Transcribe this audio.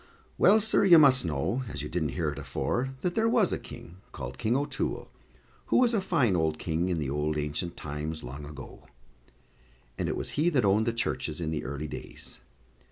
Well, sir, you must know, as you didn't hear it afore, that there was a King, called King O'Toole, who was a fine old King in the old ancient times, long ago; and it was he that owned the churches in the early days.